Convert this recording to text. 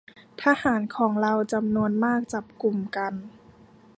ทหารของเราจำนวนมากจับกลุ่มกัน